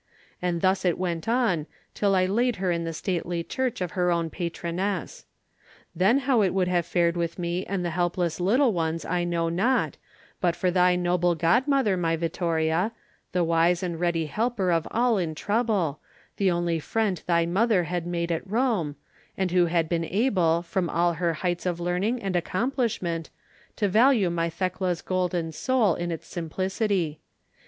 And thus it went on till I laid her in the stately church of her own patroness. Then how it would have fared with me and the helpless little ones I know not, but for thy noble godmother, my Vittoria, the wise and ready helper of all in trouble, the only friend thy mother had made at Rome, and who had been able, from all her heights of learning and accomplishment, to value my Thekla's golden soul in its simplicity.